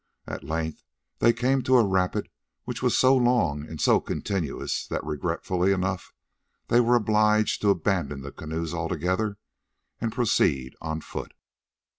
At length they came to a rapid which was so long and so continuous that regretfully enough they were obliged to abandon the canoes altogether and proceed on foot.